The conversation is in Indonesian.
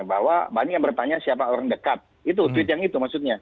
bahwa banyak yang bertanya siapa orang dekat itu tweet yang itu maksudnya